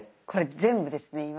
これ全部ですね